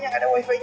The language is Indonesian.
nggak ada wifi nya